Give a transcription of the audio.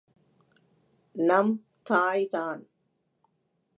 நம் தாய் தான்.